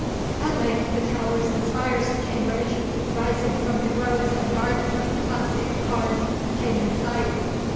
At length the towers and spires of Cambridge, rising from the groves and gardens of the classic Cam, came in sight.